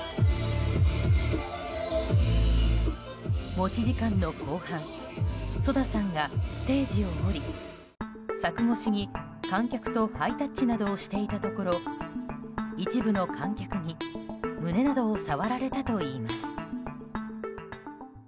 持ち時間の後半ＳＯＤＡさんがステージを降り柵越しに観客とハイタッチなどをしていたところ一部の観客に胸などを触られたといいます。